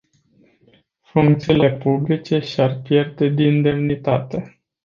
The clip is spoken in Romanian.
Funcțiile publice și-ar pierde din demnitate.